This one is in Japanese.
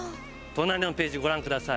隣のページご覧ください。